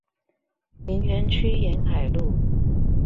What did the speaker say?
林園區沿海路